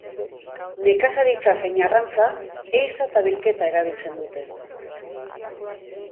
Nekazaritza zein arrantza, ehiza eta bilketa erabiltzen dute.